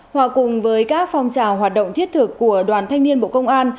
hòa cùng với các phong trào hoạt động thiết thực của đoàn thanh niên bộ công an